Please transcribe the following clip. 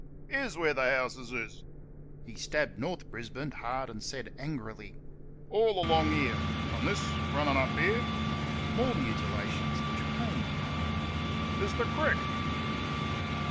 "Here's where th' houses is" (he stabbed North Brisbane hard and angrily), "all along here. ... And this, runnin' up here" (more mutilations which pained Mother), "is th' crick."